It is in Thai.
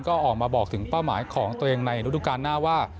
ก็ออกมาบอกถึงเป้าหมายของตัวเองในฤดูการหน้าว่า